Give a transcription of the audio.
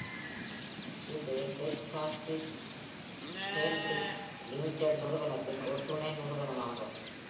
இது டெட்காஸ்டில்ஸ் holdings limited நிறுவனத்தின் ஒரு துணை நிறுவனமாகும்.